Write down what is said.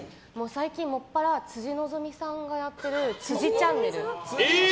最近、もっぱら辻希美さんがやってる「辻ちゃんネル」。